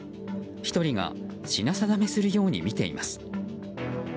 １人が品定めするように見ています。